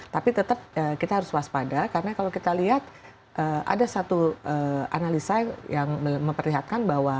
tapi tetap kita harus waspada karena kalau kita lihat ada satu analisa yang memperlihatkan bahwa